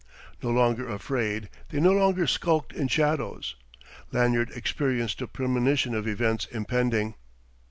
No longer afraid, they no longer skulked in shadows. Lanyard experienced a premonition of events impending.